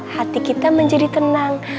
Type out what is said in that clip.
hati kita menjadi tenang